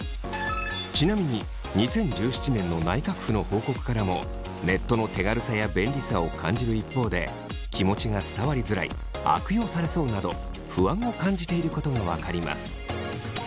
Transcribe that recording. ちなみに２０１７年の内閣府の報告からもネットの手軽さや便利さを感じる一方で気持ちが伝わりづらい悪用されそうなど不安を感じていることが分かります。